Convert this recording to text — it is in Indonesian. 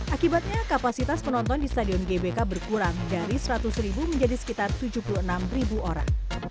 akibatnya kapasitas penonton di stadion gbk berkurang dari seratus ribu menjadi sekitar tujuh puluh enam orang